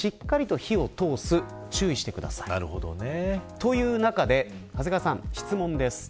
という中で長谷川さん、質問です。